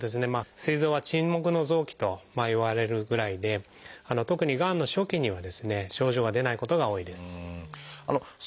すい臓は沈黙の臓器といわれるぐらいで特にがんの初期にはですね症状が出ないことが多いです。